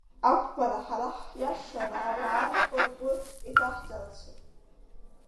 Ақәԥара, ҳара ҳиашара ауаа рхы-ргәы иҭаҳҵарацы.